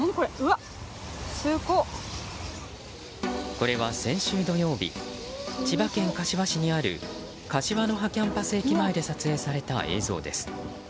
これは先週土曜日千葉県柏市にある柏の葉キャンパス駅前で撮影された映像です。